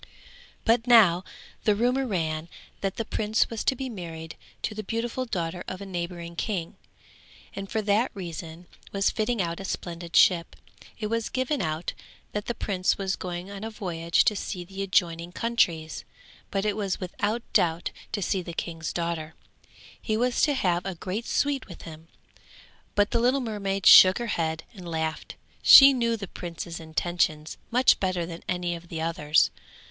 But now the rumour ran that the prince was to be married to the beautiful daughter of a neighbouring king, and for that reason was fitting out a splendid ship. It was given out that the prince was going on a voyage to see the adjoining countries, but it was without doubt to see the king's daughter; he was to have a great suite with him. But the little mermaid shook her head and laughed; she knew the prince's intentions much better than any of the others.